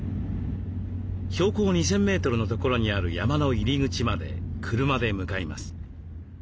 標高２，０００メートルの所にある山の入り口まで車で向かいます。